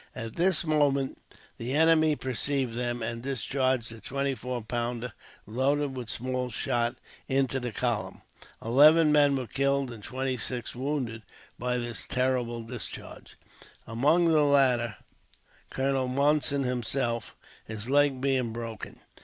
At this moment the enemy perceived them, and discharged a twenty four pounder, loaded with small shot, into the column. Eleven men were killed and twenty six wounded by this terrible discharge, among the latter Colonel Monson himself, his leg being broken.